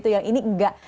yang ini enggak